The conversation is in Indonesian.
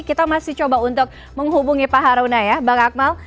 kita masih coba untuk menghubungi pak haruna ya bang akmal